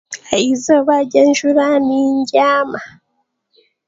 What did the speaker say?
Ah'eizooba ry'enjuura ninbyama.